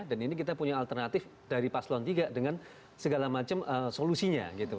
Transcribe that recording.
dan ini kita punya alternatif dari paslawan tiga dengan segala macam solusinya gitu